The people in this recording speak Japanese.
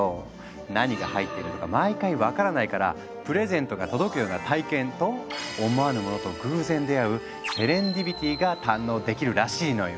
何が入ってるのか毎回分からないから「プレゼントが届くような体験」と「思わぬものと偶然出会うセレンディピティ」が堪能できるらしいのよ。